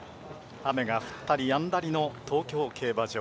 雨が降ったりやんだりの東京競馬場。